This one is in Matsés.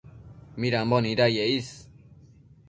midambo nidaye is